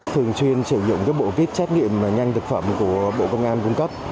thường xuyên sử dụng bộ vít xét nghiệm nhanh thực phẩm của bộ công an cung cấp